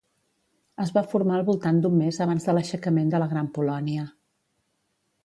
Es va formar al voltant d'un mes abans de l'aixecament de la Gran Polònia.